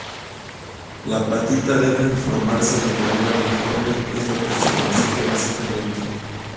La pátina debe formarse de manera uniforme, es lo que se le exige básicamente.